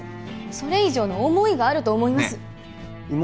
それ以上の思いがあると思いますねえ